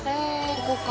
ここか。